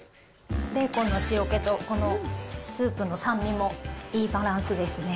ベーコンの塩気と、このスープの酸味もいいバランスですね。